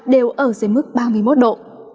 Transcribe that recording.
đều ở dưới mức ba mươi một độ